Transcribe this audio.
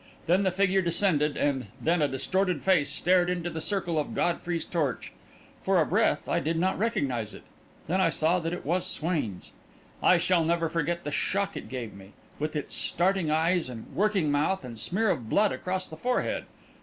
Then the figure descended, and then a distorted face stared into the circle of Godfrey's torch. For a breath, I did not recognise it; then I saw that it was Swain's. I shall never forget the shock it gave me, with its starting eyes and working mouth and smear of blood across the forehead.